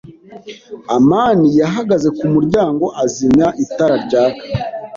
amani yahagaze ku muryango, azimya itara ryaka.